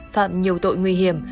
phạm nhiều tội nguy hiểm